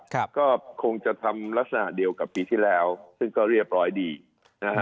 ครับก็คงจะทำลักษณะเดียวกับปีที่แล้วซึ่งก็เรียบร้อยดีนะฮะ